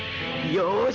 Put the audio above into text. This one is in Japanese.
よし！